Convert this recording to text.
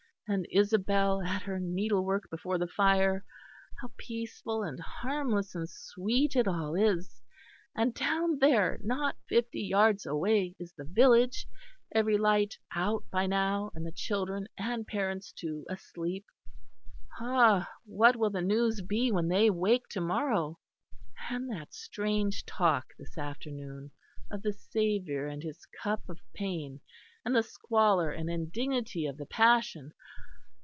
And Isabel; at her needlework before the fire. How peaceful and harmless and sweet it all is! And down there, not fifty yards away, is the village; every light out by now; and the children and parents, too, asleep. Ah! what will the news be when they wake to morrow? And that strange talk this afternoon, of the Saviour and His Cup of pain, and the squalor and indignity of the Passion!